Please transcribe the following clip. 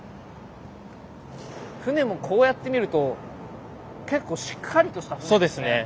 船もこうやって見ると結構しっかりとした船ですね。